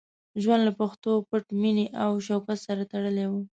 ژوند له پښتو، پت، مینې او شوکت سره تړلی وو.